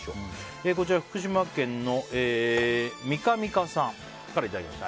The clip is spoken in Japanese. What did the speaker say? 福島県の方からいただきました。